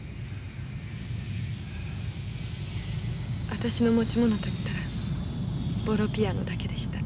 私の持ち物といったらボロピアノだけでした。